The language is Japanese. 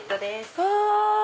うわ！